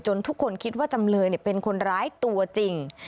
ทุกคนคิดว่าจำเลยเป็นคนร้ายตัวจริง